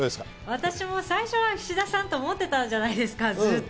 私も最初は菱田さんって思ってたじゃないですか、ずっと。